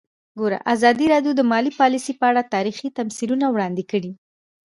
ازادي راډیو د مالي پالیسي په اړه تاریخي تمثیلونه وړاندې کړي.